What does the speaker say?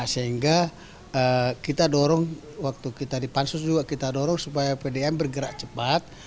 sehingga kita dorong waktu kita dipansus juga kita dorong supaya pdm bergerak cepat